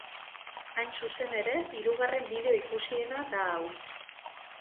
Hain zuzen ere, hirugarren bideo ikusiena da hau.